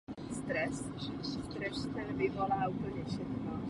Poblíž bývalého stanoviště borovice je turistický rozcestník Klubu českých turistů.